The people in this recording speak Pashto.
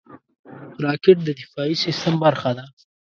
راکټ د دفاعي سیستم برخه ده